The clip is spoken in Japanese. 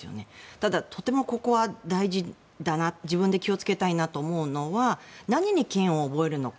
ただ、とてもここは大事だな自分で気をつけたいなと思うのは何に嫌悪を覚えるのか。